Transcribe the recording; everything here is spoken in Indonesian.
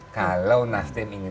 kalau nasdem ingin